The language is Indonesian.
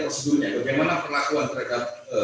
prosedurnya bagaimana perlakuan mereka